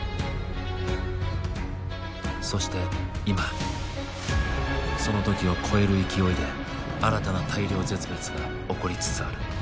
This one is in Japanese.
そして今その時を超える勢いで新たな大量絶滅が起こりつつある。